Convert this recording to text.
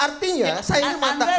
artinya saya yang mengatakan